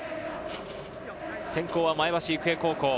先攻は前橋育英高校。